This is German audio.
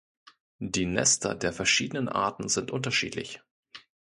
Die Nester der verschiedenen Arten sind unterschiedlich.